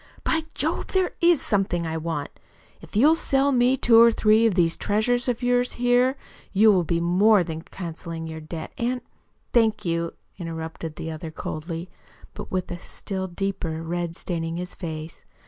"By Jove, there IS something I want. If you'll sell me two or three of these treasures of yours here, you will be more than cancelling your debt, and " "Thank you," interrupted the other coldly, but with a still deeper red staining his face.